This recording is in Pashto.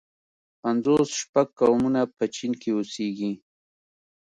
پنځوس شپږ قومونه په چين کې اوسيږي.